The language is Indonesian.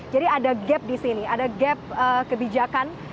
jadi ada gap di sini ada gap kebijakan